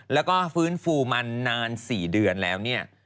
แล้วก็ฟื้นฟูมานาน๔เดือนแล้วเนี่ย